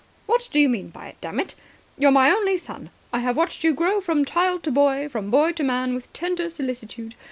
"What do you mean by it, damn it? You're my only son. I have watched you grow from child to boy, from boy to man, with tender solicitude.